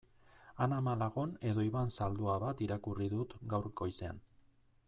Ana Malagon edo Iban Zaldua bat irakurri dut gaur goizean.